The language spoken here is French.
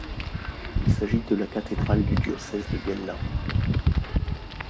Il s'agit de la cathédrale du diocèse de Biella.